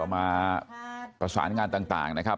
มาประสานงานต่างนะครับ